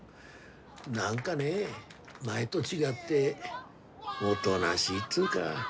何かね前ど違っておどなしいっつうが。